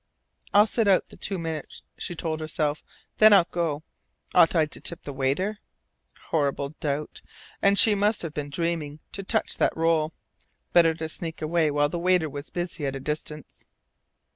"I'll sit out the two minutes," she told herself. "Then I'll go. Ought I to tip the waiter?" Horrible doubt! And she must have been dreaming to touch that roll! Better sneak away while the waiter was busy at a distance.